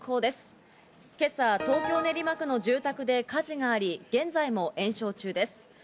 今朝、東京・練馬区の住宅で火事があり、現在も延焼中です。